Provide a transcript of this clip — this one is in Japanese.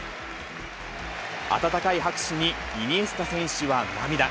温かい拍手にイニエスタ選手は涙。